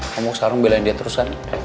kamu sekarang belain dia terus kan